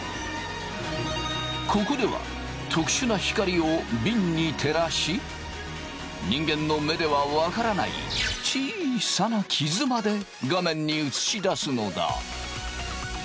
ここでは特殊な光をびんに照らし人間の目では分からないちいさなキズまで画面に映し出すのだ。